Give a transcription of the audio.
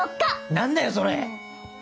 何だよそれ！